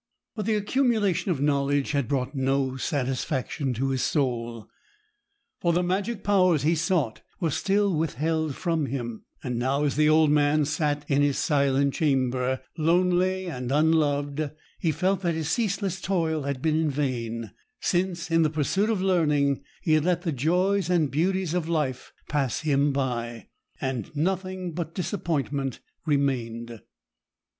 But the accumulation of knowledge had brought no satisfaction to his soul, for the magic powers he sought were still withheld from him; and now, as the old man sat in his silent chamber, lonely and unloved, he felt that his ceaseless toil had been in vain, since in the pursuit of learning he had let the joys and beauties of life pass him by, and nothing but disappointment remained.